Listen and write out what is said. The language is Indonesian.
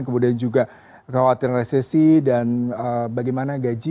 kemudian juga kekhawatiran resesi dan bagaimana gaji